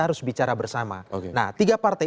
harus bicara bersama nah tiga partai